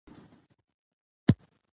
د فرانسیس بېکن وايي: هنر طبیعت او انسان.